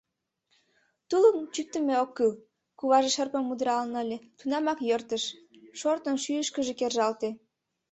«Тулым чӱктымет ок кӱл!» — куваже шырпым удыралын ыле, тунамак йӧртыш, шортын, шӱйышкыжӧ кержалте.